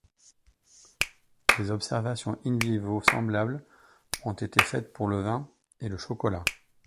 Des observations in vivo semblables ont été faites pour le vin et le chocolat.